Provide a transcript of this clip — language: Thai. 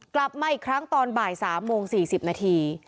กลับมาอีกครั้งตอนบ่าย๓โมง๔๐นาที